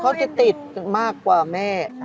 เขาจะติดมากกว่าแม่